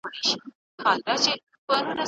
دغه هلک پرون یو ډېر ښه پیغام ولیکی.